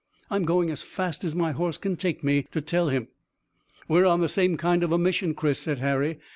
I'm going as fast as my horse can take me to tell him." "We're on the same kind of a mission, Chris," said Harry.